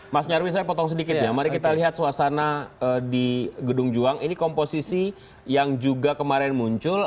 mas nyarwi saya potong sedikit ya mari kita lihat suasana di gedung juang ini komposisi yang juga kemarin muncul